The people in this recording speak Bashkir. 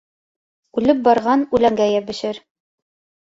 Үлеп барған үләнгә йәбешер.